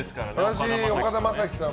私、岡田将生さん